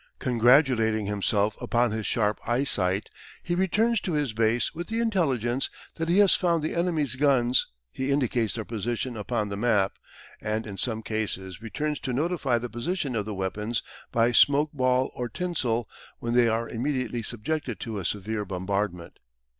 Congratulating himself upon his sharp eyesight, he returns to his base with the intelligence that he has found the enemy's guns he indicates their position upon the map, and in some cases returns to notify the position of the weapons by smoke ball or tinsel, when they are immediately subjected to a severe bombardment.